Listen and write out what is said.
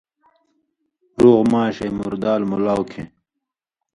رُوغ ماݜے مُردال مُولاؤ کھیں